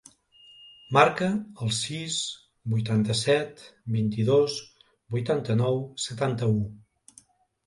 Marca el sis, vuitanta-set, vint-i-dos, vuitanta-nou, setanta-u.